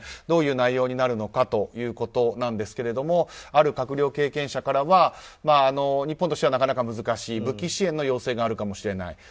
どういう内容になるのかということですがある閣僚経験者からは日本としてはなかなか難しい武器支援の要請があるかもしれない。